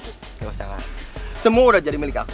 gak usah ngelakuin semua udah jadi milik aku